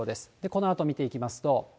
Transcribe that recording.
このあと見ていきますと。